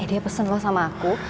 eh dia pesen ngomong sama aku